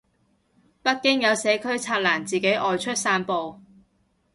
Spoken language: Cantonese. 北京有社區拆欄自行外出散步